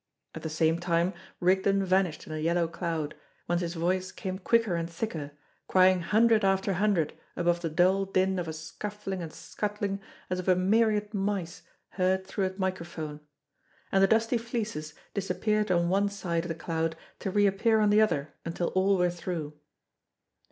At the same time Rigden vanished in a yellow cloud, whence his voice came quicker and thicker, crying hundred after hundred above the dull din of a scuffling and scuttling as of a myriad mice heard through a microphone. And the dusty fleeces disappeared on one side of the cloud to reappear on the other until all were through.